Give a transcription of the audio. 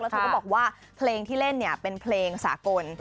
เธอก็บอกว่าเพลงที่เล่นเป็นเพลงสากล